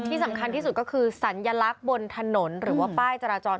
ที่สำคัญที่สุดก็คือสัญลักษณ์บนถนนหรือว่าป้ายจราจร